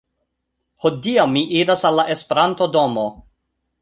Hodiaŭ mi iras al la Esperanto-domo